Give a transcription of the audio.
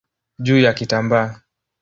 juu ya kitambaa.